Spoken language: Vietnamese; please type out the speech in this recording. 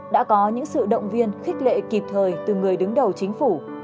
đã có những sự động viên khích lệ kịp thời từ người đứng đầu chính phủ